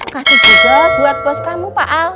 kasih juga buat bos kamu pak al